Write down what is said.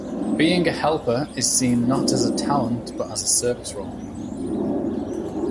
Being a helper is seen not as a talent but as a service role.